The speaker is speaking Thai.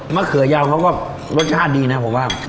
มะเขือยาวเขาก็รสชาติดีครับผมว่าง